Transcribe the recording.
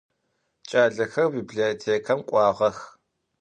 Ç'alexer bibliotêkem k'uağex.